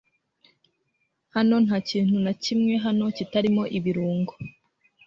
Hano nta kintu na kimwe hano kitarimo ibirungo.